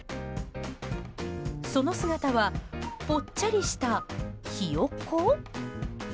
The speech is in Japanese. その姿はぽっちゃりしたヒヨコ？